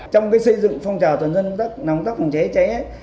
trong xây dựng phòng trào toàn dân nâng tác phòng cháy chữa cháy